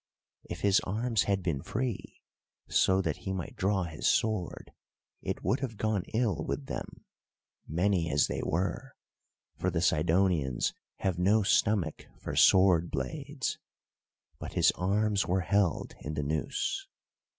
If his arms had been free so that he might draw his sword, it would have gone ill with them, many as they were, for the Sidonians have no stomach for sword blades; but his arms were held in the noose.